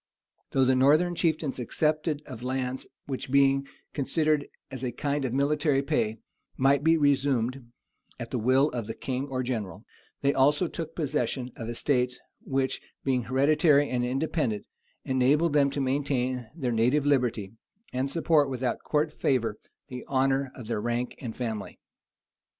Though the northern chieftains accepted of lands which, being considered as a kind of military pay, might be resumed at the will of the king or general, they also took possession of estates which, being hereditary and independent, enabled them to maintain their native liberty, and support, without court favor, the honor of their rank and family.